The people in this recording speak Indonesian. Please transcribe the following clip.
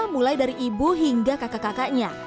mulai dari ibu hingga kakak kakaknya